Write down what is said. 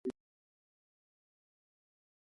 توپک د ویرې اله دی.